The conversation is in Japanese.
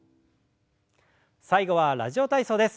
最後は「ラジオ体操」です。